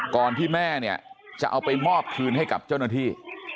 ก่อนที่แม่เนี่ยจะเอาไปมอบคืนให้กับเจ้าหน้าที่